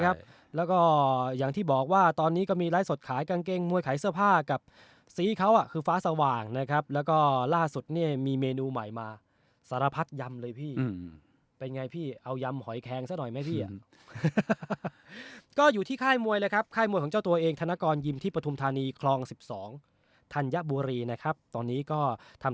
ครับแล้วก็อย่างที่บอกว่าตอนนี้ก็มีไลฟ์สดขายกางเกงมวยขายเสื้อผ้ากับสีเขาอ่ะคือฟ้าสว่างนะครับแล้วก็ล่าสุดเนี่ยมีเมนูใหม่มาสารพัดยำเลยพี่เป็นไงพี่เอายำหอยแคงซะหน่อยไหมพี่ก็อยู่ที่ค่ายมวยเลยครับค่ายมวยของเจ้าตัวเองธนกรยิมที่ปฐุมธานีคลอง๑๒ธัญบุรีนะครับตอนนี้ก็ทำ